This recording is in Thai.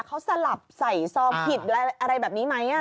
เขาสลับใส่ซองผิดอะไรแบบนี้ไหม